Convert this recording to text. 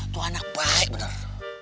tuh anak baik bener